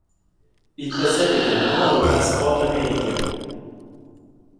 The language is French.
Il possède également un passeport américain.